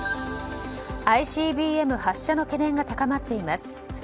ＩＣＢＭ発射の懸念が高まっています。